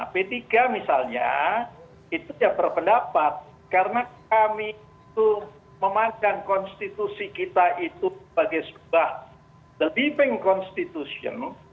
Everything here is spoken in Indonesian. p tiga misalnya itu berpendapat karena kami memanjakan konstitusi kita itu sebagai sebuah living constitution